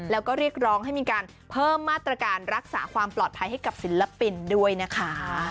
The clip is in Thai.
แล้วก็เรียกร้องให้มีการเพิ่มมาตรการรักษาความปลอดภัยให้กับศิลปินด้วยนะคะ